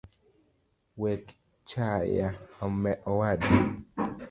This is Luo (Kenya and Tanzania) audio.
Wekchaya owada